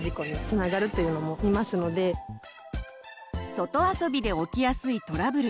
外遊びで起きやすいトラブル。